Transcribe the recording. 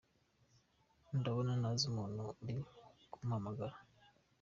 Ndabona ntazi umuntu uri kumpamagara.